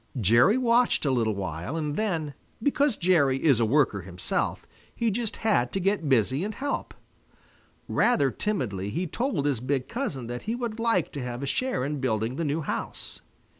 Jerry watched a little while and then, because Jerry is a worker himself, he just had to get busy and help. Rather timidly he told his big cousin that he would like to have a share in building the new house.